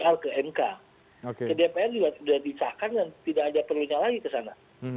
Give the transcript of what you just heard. ke dpr juga sudah dicahkan dan tidak ada perlunya lagi ke sana